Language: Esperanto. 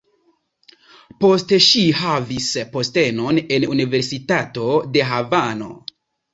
Poste ŝi havis postenon en universitato de Havano.